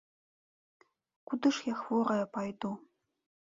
Куды ж я хворая пайду?